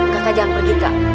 kakak jangan pergi kak